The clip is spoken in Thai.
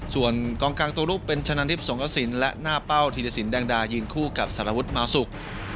ส่วนกองกลางตัวรูปเป็นชนะทิพย์สงกระสินและหน้าเป้าธีรสินแดงดายืนคู่กับสารวุฒิมาสุก